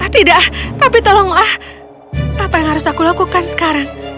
tidak tapi tolonglah apa yang harus aku lakukan sekarang